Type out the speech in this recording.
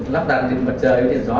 lắp đặt trên mặt trời trên gió